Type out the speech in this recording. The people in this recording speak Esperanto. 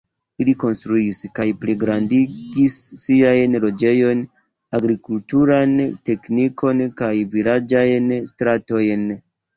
Ili konstruis kaj pligrandigis siajn loĝejojn, agrikulturan teknikon kaj la vilaĝajn stratojn.